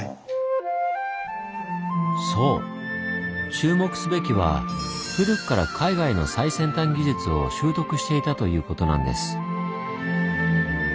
注目すべきは古くから海外の最先端技術を習得していたということなんです。